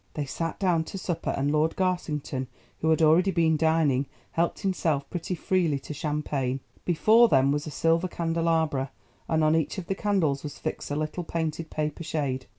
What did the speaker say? They sat down to supper, and Lord Garsington, who had already been dining, helped himself pretty freely to champagne. Before them was a silver candelabra and on each of the candles was fixed a little painted paper shade.